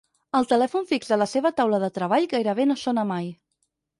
El telèfon fix de la seva taula de treball gairebé no sona mai.